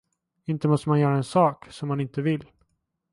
Inte måste man göra en sak, som man inte vill.